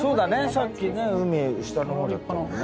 さっきね海下の方だったもんね。